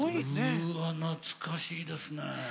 うわ懐かしいですね。